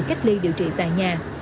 để cách ly điều trị tại nhà